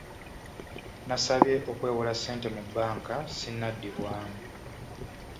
Nasabye okwewola ssente mu bbanka sinnaddibwamu.